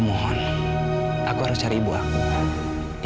mohon aku harus cari ibu aku